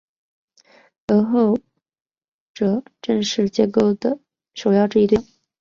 而后者正是解构的首要质疑对象。